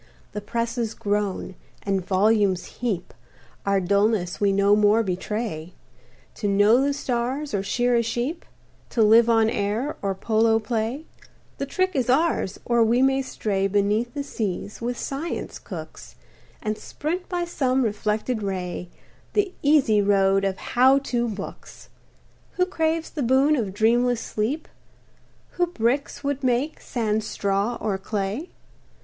The presses groan, and volumes heap, Our dullness we no more betray; To know the stars, or shear a sheep To live on air, or polo play; The trick is ours, or we may stray Beneath the seas, with science cooks, And sprint by some reflected ray The easy road of "How To" books! Who craves the boon of dreamless sleep? Who bricks would make, sans straw or clay?